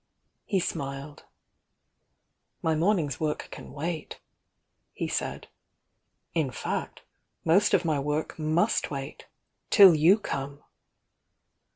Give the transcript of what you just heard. He siriled. "My morning's work can wait," he said. "In fact, most of my work must wait^ till you come!"